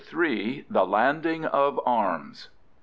III. THE LANDING OF ARMS.